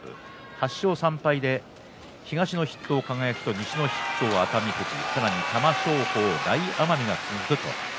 ８勝３敗で東の筆頭輝と西の筆頭の熱海富士さらに、玉正鳳